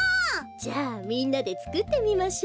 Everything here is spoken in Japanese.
じゃあみんなでつくってみましょ。